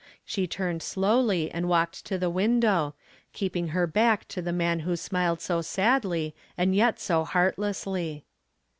She turned slowly and walked to the window, keeping her back to the man who smiled so sadly and yet so heartlessly.